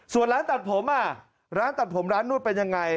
ส่วนร้านตัดผมร้านตัดผมร้านนวดเป็นยังไง